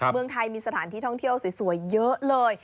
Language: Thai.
เมืองไทยมีสถานที่ท่องเที่ยวสวยเยอะเลย